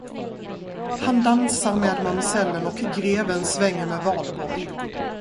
Han dansar med mamsellen och greven svänger med Valborg.